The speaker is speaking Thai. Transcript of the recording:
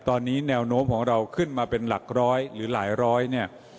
ตอนนี้แนวโน้มของเราขึ้นมาเป็นหลักร้อยหรือหลายร้อยเนี่ย